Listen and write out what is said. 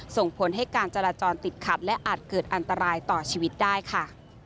ส่งผลให้การจราจรติดขัดและอาจเกิดอันตรายต่อชีวิตได้ค่ะ